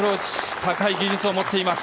高い技術を持っています。